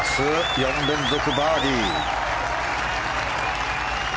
４連続バーディー。